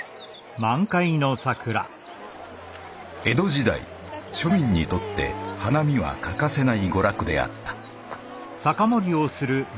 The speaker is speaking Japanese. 江戸時代庶民にとって花見は欠かせない娯楽であった